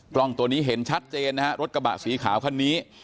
กล้องตัวนี้เห็นชัดเจนนะฮะรถกระบะสีขาวคันนี้